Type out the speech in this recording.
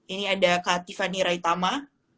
ini ada kak tiffany raitama